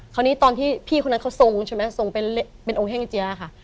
ตอนที่พี่คนนั้นเขาทรงใช่ไหมทรงเป็นองค์แห้งเจี๊ยค่ะ